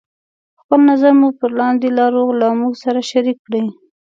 خپل نظر مو پر لاندې لارو له موږ سره شريکې کړئ: